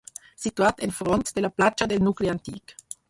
Situat enfront de la Platja del nucli antic.